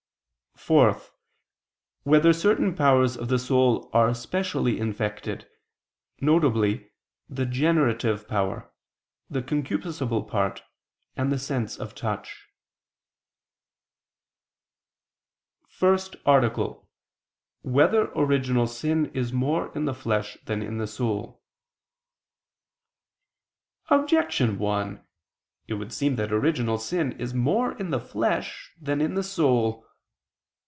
(4) Whether certain powers of the soul are specially infected, viz. the generative power, the concupiscible part, and the sense of touch? ________________________ FIRST ARTICLE [I II, Q. 83, Art. 1] Whether Original Sin Is More in the Flesh Than in the Soul? Objection 1: It would seem that original sin is more in the flesh than in the soul.